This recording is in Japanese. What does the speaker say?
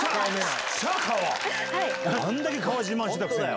あんだけ川自慢してたくせに。